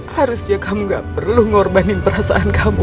harusnya kamu gak perlu ngorbanin perasaan kamu